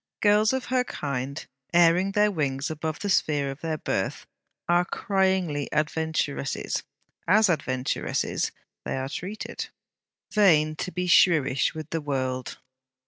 Girls of her kind, airing their wings above the sphere of their birth, are cryingly adventuresses. As adventuresses they are treated. Vain to be shrewish with the world!